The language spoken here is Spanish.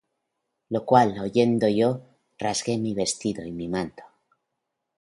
Lo cual oyendo yo, rasgué mi vestido y mi manto.